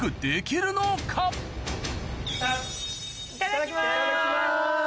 いただきます！